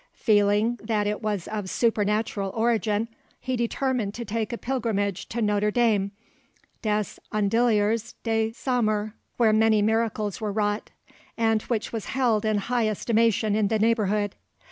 Feeling that it was of supernatural origin, he determined to take a pilgrimage to Notre Dame des Andilliers de Saumur, where many miracles were wrought, and which was held in high estimation in the neighbourhood.